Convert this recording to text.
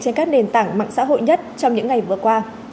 chia sẻ trên các nền tảng mạng xã hội nhất trong những ngày vừa qua